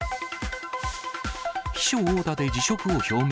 秘書殴打で辞職を表明。